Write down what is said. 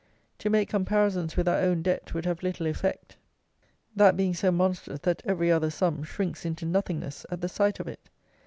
To make comparisons with our own debt would have little effect, that being so monstrous that every other sum shrinks into nothingness at the sight of it.